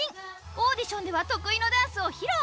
オーディションでは得意のダンスを披露。